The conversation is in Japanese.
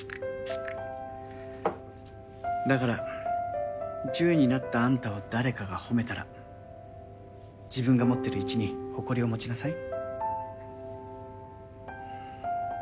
だから１０になったあんたを誰かが褒めたら自分が持ってる１に誇りを持ちなさい。